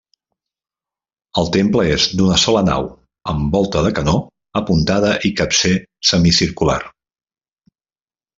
El temple és d'una sola nau amb volta de canó apuntada i capcer semicircular.